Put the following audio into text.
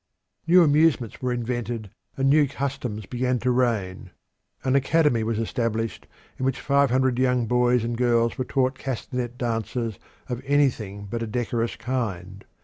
New amusements were invented, and new customs began to reign. An academy was established, in which five hundred boys and girls were taught castanet dances of anything but a decorous kind.